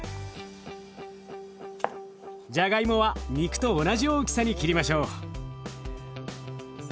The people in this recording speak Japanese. じゃがいもは肉と同じ大きさに切りましょう。